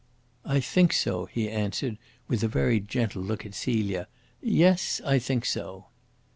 "I think so," he answered, with a very gentle look at Celia. "Yes, I think so."